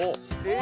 え